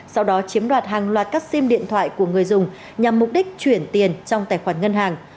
sau đó chiếm đoạt hàng loạt các sim điện thoại của người dùng nhằm mục đích chuyển tiền trong tài khoản ngân hàng